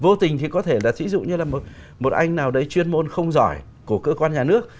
vô tình thì có thể là ví dụ như là một anh nào đấy chuyên môn không giỏi của cơ quan nhà nước